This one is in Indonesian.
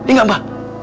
iya gak mbak